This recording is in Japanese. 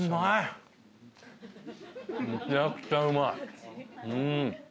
めちゃくちゃうまいうん。